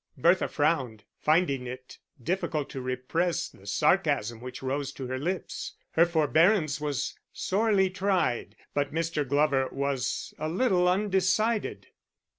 Bertha frowned, finding it difficult to repress the sarcasm which rose to her lips; her forbearance was sorely tried. But Mr. Glover was a little undecided.